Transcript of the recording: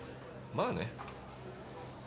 まあね。